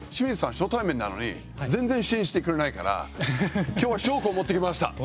初対面なのに全然、信じてくれないから今日は証拠を持ってきました。